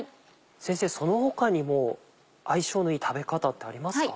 先生その他にも相性のいい食べ方ってありますか？